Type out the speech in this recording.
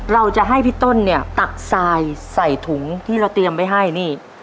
เราจะให้พี่ต้นเนี่ยตักทรายใส่ถุงที่เราเตรียมไว้ให้นี่